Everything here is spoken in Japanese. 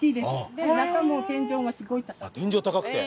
中も天井がすごい高くて。